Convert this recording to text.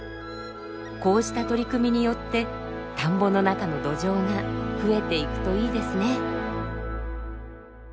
こうした取り組みによって田んぼの中のドジョウが増えていくといいですね。